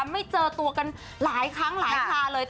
ไม่เจอตัวกันหลายครั้งหลายคราเลย